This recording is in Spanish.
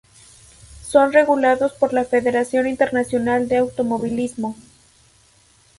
Son regulados por la Federación Internacional de Automovilismo.